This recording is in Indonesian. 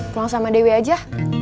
keluang sama dewi aja